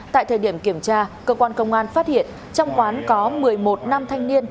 tại thời điểm kiểm tra cơ quan công an phát hiện trong quán có một mươi một nam thanh niên